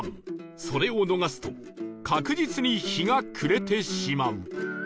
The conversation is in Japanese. それを逃すと確実に日が暮れてしまう